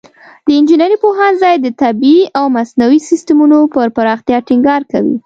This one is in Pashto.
د انجینري پوهنځی د طبیعي او مصنوعي سیستمونو پر پراختیا ټینګار کوي.